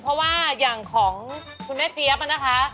เพราะว่าอย่างของคุณแม่เจี๊ยบนะคะ